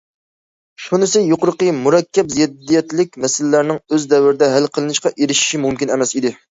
شۇنىسى، يۇقىرىقى مۇرەككەپ زىددىيەتلىك مەسىلىلەرنىڭ ئۆز دەۋرىدە ھەل قىلىنىشقا ئېرىشىشى مۇمكىن ئەمەس ئىدى.